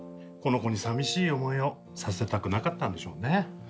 この子にさみしい思いをさせたくなかったんでしょうね。